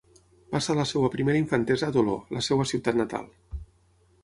Passa la seva primera infantesa a Toló, la seva ciutat natal.